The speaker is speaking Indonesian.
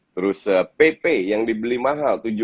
terus pepe yang dibeli mahal tujuh puluh